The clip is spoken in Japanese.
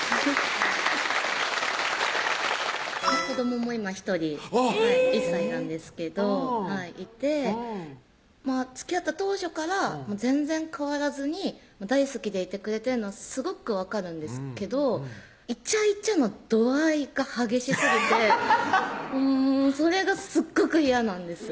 子どもも今１人１歳なんですけどいてつきあった当初から全然変わらずに大好きでいてくれてるのはすごく分かるんですけどイチャイチャの度合いが激しすぎてもうそれがすっごく嫌なんです